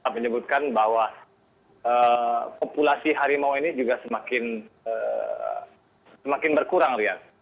menyebutkan bahwa populasi harimau ini juga semakin berkurang ria